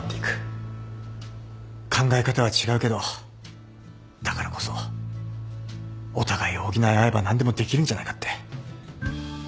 考え方は違うけどだからこそお互いを補い合えば何でもできるんじゃないかって。